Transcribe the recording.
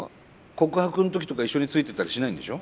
告白の時とか一緒についてったりしないんでしょ？